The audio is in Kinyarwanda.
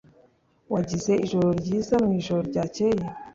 Wagize ijoro ryiza mwijoro ryakeye?